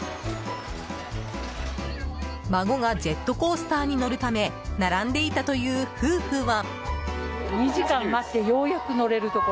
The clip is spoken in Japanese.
孫がジェットコースターに乗るため並んでいたという夫婦は。